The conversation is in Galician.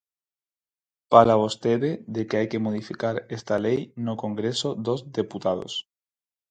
Fala vostede de que hai que modificar esta lei no Congreso dos Deputados.